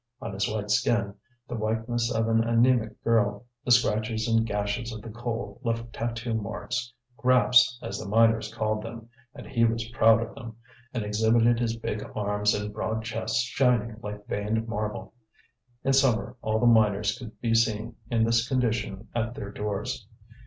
On his white skin, the whiteness of an anaemic girl, the scratches and gashes of the coal left tattoo marks, grafts as the miners called them; and he was proud of them, and exhibited his big arms and broad chest shining like veined marble. In summer all the miners could be seen in this condition at their doors.